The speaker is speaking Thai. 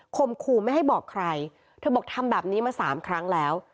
ขู่ไม่ให้บอกใครเธอบอกทำแบบนี้มาสามครั้งแล้ว